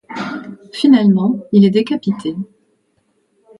Finalement, il est décapité.